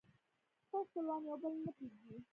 خپل خپلوان يو بل نه پرېږدي